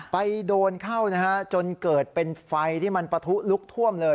ไปโดนเข้านะฮะจนเกิดเป็นไฟที่มันปะทุลุกท่วมเลย